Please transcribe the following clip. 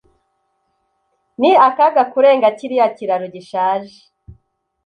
Ni akaga kurenga kiriya kiraro gishaje.